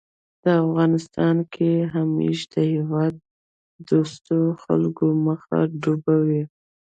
په افغانستان کې همېشه د هېواد دوستو خلکو مخه ډب وي